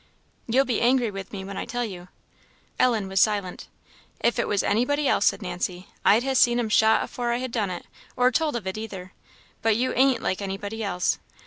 "You'll be angry with me when I tell you." Ellen was silent. "If it was anybody else," said Nancy, "I'd ha' seen 'em shot afore I'd ha' done it, or told of it either; but you ain't like anybody else.